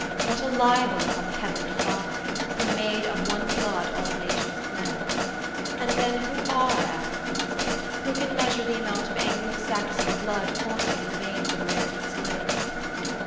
What a libel upon the heavenly Father, who "made of one blood all nations of men!" And then who are Africans? Who can measure the amount of Anglo Saxon blood coursing in the veins of American slaves?